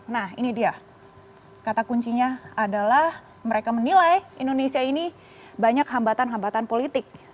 nah ini dia kata kuncinya adalah mereka menilai indonesia ini banyak hambatan hambatan politik